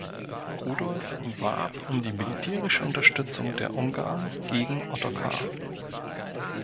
Rudolf warb um die militärische Unterstützung der Ungarn gegen Ottokar.